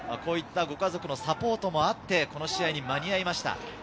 ご家族のサポートもあって、この試合に間に合いました。